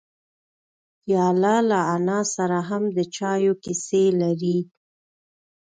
پیاله له انا سره هم د چایو کیسې لري.